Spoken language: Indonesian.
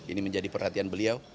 ini menjadi perhatian beliau